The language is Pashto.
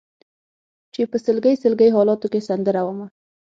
چې په سلګۍ سلګۍ حالاتو کې سندره ومه